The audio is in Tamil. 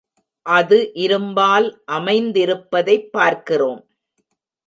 அது இரும்பால் அமைந்திருப்பதைப் பார்க்கிறோம்.